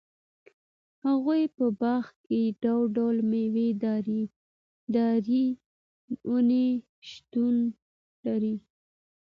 د هغوي په باغ کي ډول٬ډول ميوه داري وني شتون لري